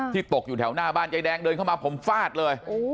ตกอยู่แถวหน้าบ้านยายแดงเดินเข้ามาผมฟาดเลย